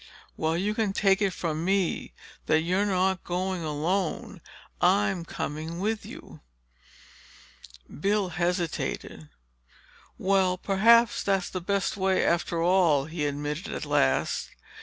"Well, you can take it from me that you're not going alone. I'm coming with you." Bill hesitated. "Well, perhaps that's the best way, after all," he admitted at last.